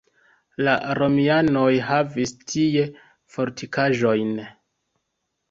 La romianoj havis tie fortikaĵon.